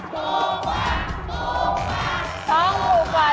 ถูกกว่า